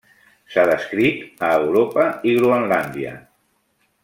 S'ha descrit a Europa i Groenlàndia.